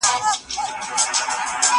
زه هره ورځ کالي وچوم.